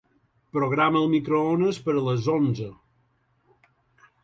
Programa el microones per a les onze.